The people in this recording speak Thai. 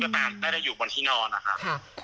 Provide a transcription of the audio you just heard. แต่จุดตามได้อยู่บนที่นอนนะคะ